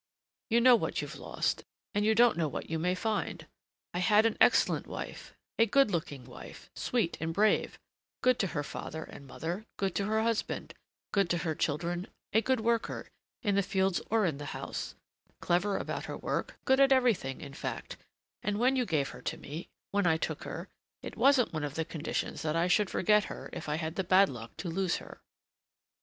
You know what you've lost, and you don't know what you may find. I had an excellent wife, a good looking wife, sweet and brave, good to her father and mother, good to her husband, good to her children, a good worker, in the fields or in the house, clever about her work, good at everything, in fact; and when you gave her to me, when I took her, it wasn't one of the conditions that I should forget her if I had the bad luck to lose her."